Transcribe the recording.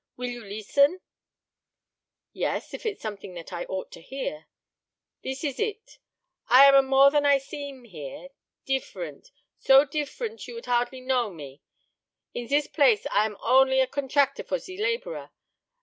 Will you lees ten?" "Yes, if it is something that I ought to hear." "Thees eez it. I am a more than I seem here deef e rent so deef e rent you would hardly know a me. In zis place I am on ly a contractor for ze laborer.